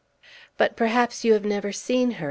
"But, perhaps you have never seen her?"